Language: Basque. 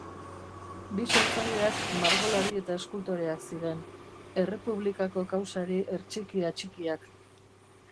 Bi sortzaileak margolari eta eskultoreak ziren, Errepublikako kausari hertsiki atxikiak.